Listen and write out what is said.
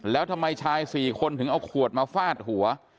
แล้วทำไมชาย๔คนถึงเอาขวดมาฟาดหัว